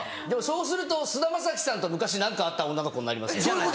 でもそうすると菅田将暉さんと昔何かあった女の子になりますよ。